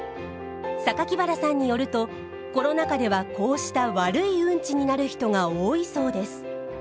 原さんによるとコロナ禍ではこうした悪いうんちになる人が多いそうです。